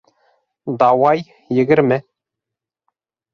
Давай... егерме!